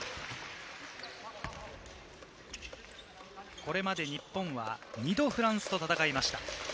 これまで日本は２度フランスと戦いました。